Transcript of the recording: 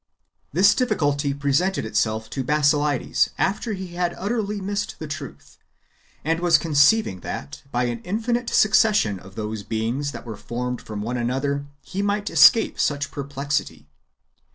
This difficulty presented itself to Basilides after he had Book il] IEEN^ US A GAINST HERESIES. 1 71 utterly missed the truth, and was conceiving that, by an infi nite succession of those beings that were formed from one another, he miglit escape such perplexity.